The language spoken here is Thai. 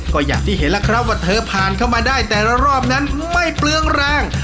ก็อย่างที่เห็นแล้วครับว่าเธอผ่านเข้ามาได้แต่ละรอบนั้นไม่เปลืองแรง